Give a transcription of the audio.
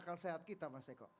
itu akan sehat kita mas eko